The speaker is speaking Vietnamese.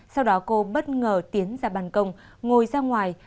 sau đó cô bất ngờ tiến ra bàn công ngồi ra ngoài